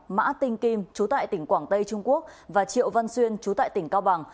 mã tinh kim chú tại tỉnh quảng tây trung quốc và triệu văn xuyên chú tại tỉnh cao bằng